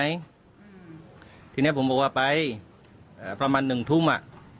อืมทีเนี้ยผมบอกว่าไปเอ่อประมาณหนึ่งทุ่มอ่ะ